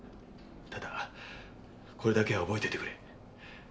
ただこれだけは覚えといてくれ。